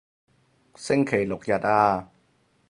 星期六日啊